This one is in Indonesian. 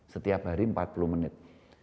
setiap hari empat puluh menit